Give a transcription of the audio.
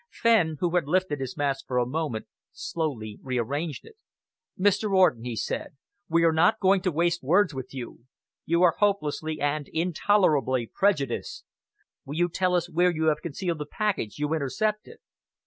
Fenn, who had lifted his mask for a moment, slowly rearranged it. "Mr. Orden," he said, "we are not going to waste words upon you. You are hopelessly and intolerably prejudiced. Will you tell us where you have concealed the packet you intercepted?"